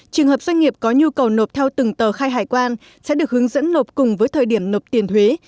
trường hợp doanh nghiệp có nhu cầu nộp theo từng tờ khai hải quan sẽ được hướng dẫn nộp cùng với thời điểm nộp tiền thuế